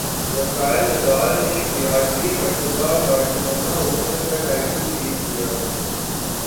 Rafael Nadal نے گیارہویں مرتبہ بارسلونا اوپن کا ٹائٹل جیت لیا